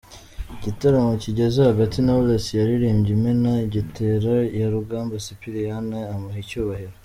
Igitaramo kigeze hagati Knowless yaririmbye Imena gitero ya Rugamba Sipiriyani amuha icyubahiro.